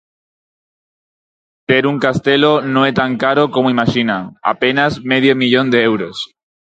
Ter un castelo non é tan caro como imaxinan: apenas medio millón de euros.